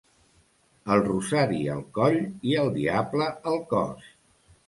El rosari al coll i el diable al cos.